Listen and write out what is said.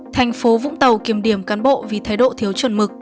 thành phố vũng tàu kiểm điểm cán bộ vì thái độ thiếu chuẩn mực